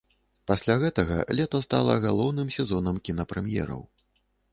Пасля гэтага лета стала галоўным сезонам кінапрэм'ераў.